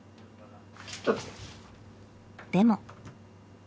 でも。